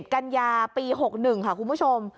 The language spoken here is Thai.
กัญญาปี๖๑ค่ะคุณผู้ชม